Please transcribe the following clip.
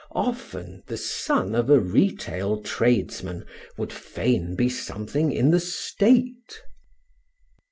Often the son of a retail tradesman would fain be something in the State.